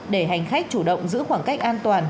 để hành khách chủ động giữ khoảng cách an toàn